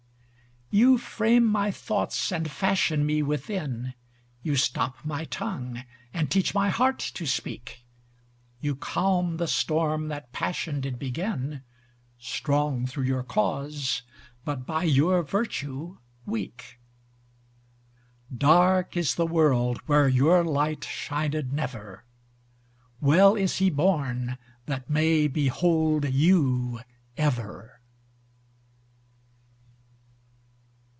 You frame my thoughts and fashion me within, You stop my tongue, and teach my heart to speak, You calm the storm that passion did begin, Strong through your cause, but by your virtue weak. Dark is the world, where your light shined never; Well is he born, that may behold you ever.